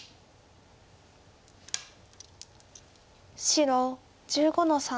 白１５の三。